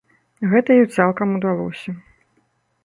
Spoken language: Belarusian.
Гэта ёй цалкам удалося.